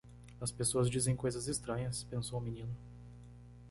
As pessoas dizem coisas estranhas, pensou o menino.